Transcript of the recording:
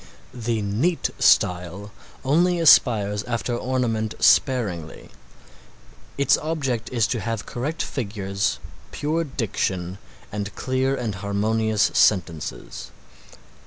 The neat style only aspires after ornament sparingly. Its object is to have correct figures, pure diction and clear and harmonious sentences.